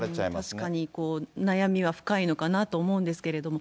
確かに、悩みは深いのかなと思うんですけれども。